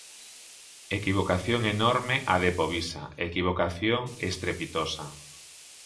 Equivocación enorme a de Povisa, equivocación estrepitosa.